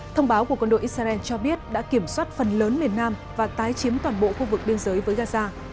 thông báo của quân đội israel cho biết đã kiểm soát phần lớn miền nam và tái chiếm toàn bộ khu vực biên giới với gaza